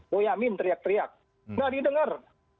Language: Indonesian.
bu yamin teriak teriak nggak didengar